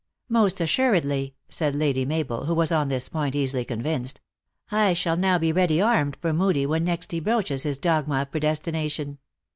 " Most assuredly," said Lady Mabel, who was on this point easily convinced. " I shall now be ready armed for Moodie, when next he broaches his dogma of predestination.